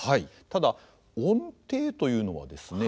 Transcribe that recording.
ただ音程というのはですね